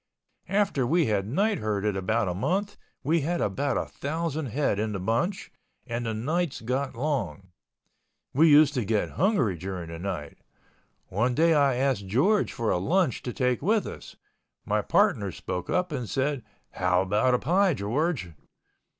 After we had night herded about a month we had about a thousand head in the bunch—and the nights got long. We used to get hungry during the night. One day I asked George for a lunch to take with us. My partner spoke up and said, "How about a pie, George?"